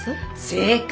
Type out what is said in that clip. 正解！